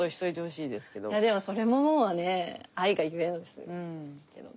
いやでもそれももうね愛が故のですけどね。